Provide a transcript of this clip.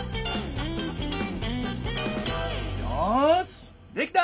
よしできた！